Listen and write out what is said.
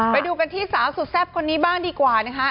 ไปดูกันที่สาวสุดแซ่บคนนี้บ้างดีกว่านะคะ